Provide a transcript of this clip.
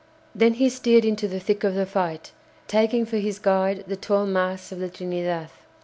Then he steered into the thick of the fight, taking for his guide the tall masts of the "Trinidad."